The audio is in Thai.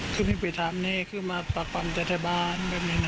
ขึ้นให้ไปทำเนี่ยขึ้นมาปรับความใจใจบ้านแบบนี้นะ